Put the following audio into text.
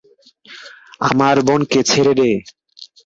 আমার বোনকে ছেড়ে দে!